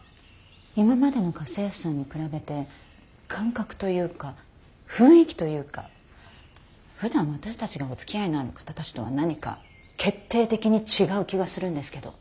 今までの家政婦さんに比べて感覚というか雰囲気というかふだん私たちがおつきあいのある方たちとは何か決定的に違う気がするんですけど。